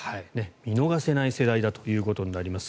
見逃せない世代だということになります。